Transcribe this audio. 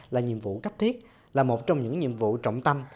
là nhiệm vụ cấp thiết là một trong những nhiệm vụ trọng tâm